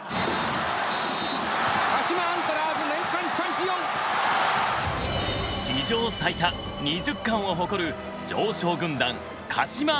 鹿島アントラーズ年間チャンピオン！史上最多２０冠を誇る常勝軍団鹿島アントラーズ。